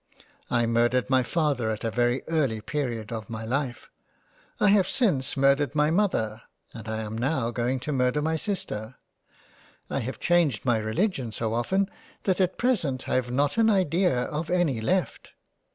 I murdered my father at a very early period of my Life, I have since murdered my Mother, and I am now going to murder my Sister. I have changed my religion so often that at present I have not an idea of any left.